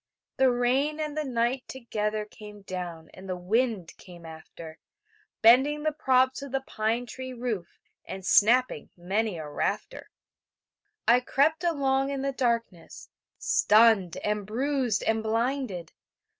The rain and the night together Came down, and the wind came after, Bending the props of the pine tree roof And snapping many a rafter. I crept along in the darkness, Stunned and bruised and blinded...